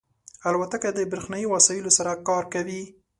الوتکه د بریښنایی وسایلو سره کار کوي.